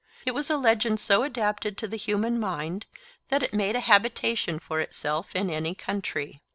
It was a legend so adapted to the human mind that it made a habitation for itself in any country.